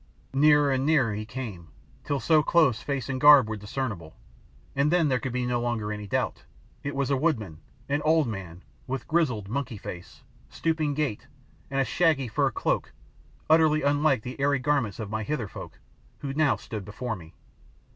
Nearer and nearer he came, till so close face and garb were discernible, and then there could no longer be any doubt, it was a woodman, an old man, with grizzled monkey face, stooping gait, and a shaggy fur cloak, utterly unlike the airy garments of my Hither folk, who now stood before me.